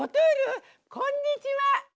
こんにちは！